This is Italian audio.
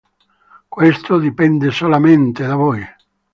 Questo dipende solamente da voi.